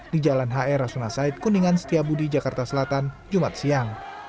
di jalan hr rasuna said kuningan setiabudi jakarta selatan jumat siang